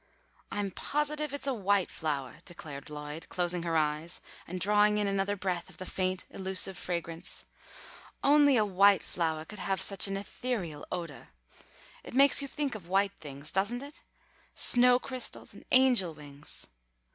"I'm positive it's a white flowah," declared Lloyd, closing her eyes and drawing in another breath of the faint, elusive fragrance. "Only a white flowah could have such an ethereal odah. It makes you think of white things, doesn't it? Snow crystals and angel wings!